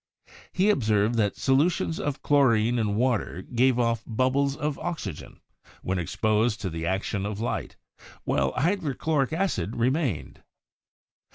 He observed that solutions of chlorine in water gave off bub bles of oxygen, when exposed to the action of light, while hydrochloric acid remained.